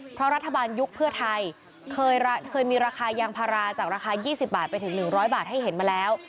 เพราะรัฐบาลยุคเพื่อไทยเคยมีราคายางพาราจากราคา๒๐บาทไปถึง๑๐๐บาทให้เห็นมาแล้ว